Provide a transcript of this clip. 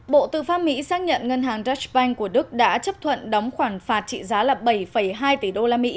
bộ tư pháp mỹ xác nhận ngân hàng dreshbank của đức đã chấp thuận đóng khoản phạt trị giá là bảy hai tỷ usd